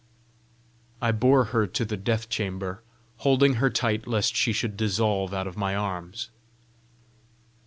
I bore her to the death chamber, holding her tight lest she should dissolve out of my arms.